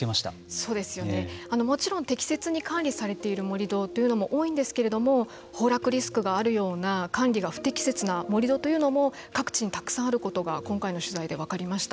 もちろん適切に管理されている盛り土というのも多いんですけれども崩落リスクがあるような管理が不適切な盛り土というのも各地にたくさんあることが今回の取材で分かりました。